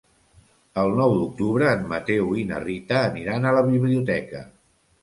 El nou d'octubre en Mateu i na Rita aniran a la biblioteca.